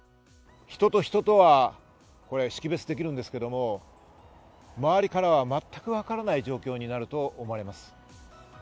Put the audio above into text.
人と人とは識別できるんですけれども、周りからは全くわからない状況になると思われます。